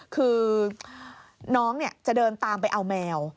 คือน้องจะเดินตามไปเอาแมว